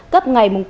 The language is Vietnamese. cấp ngày tám